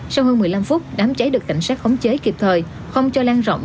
sau hơn một mươi năm phút đám cháy được cảnh sát khống chế kịp thời không cho lan rộng